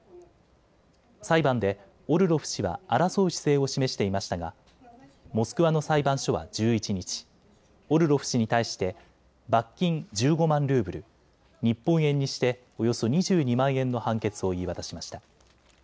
裁判でオルロフ氏は争う姿勢を示していましたがモスクワの裁判所は１１日、オルロフ氏に対して罰金１５万ルーブル、日本円にしておよそ２２万円の判決を言い渡しました。